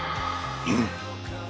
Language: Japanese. うん。